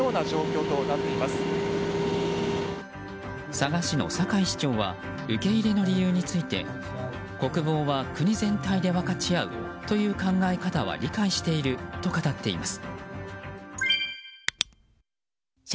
佐賀市の坂井市長は受け入れの理由について国防は国全体で分かち合うという考え方は理解していると語っています。